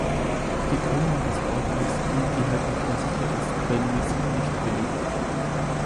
Die Gründung des Ortes und die Herkunft der Siedler ist quellenmäßig nicht belegt.